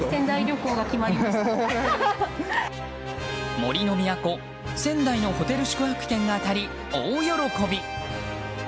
杜の都・仙台のホテル宿泊券が当たり大喜び。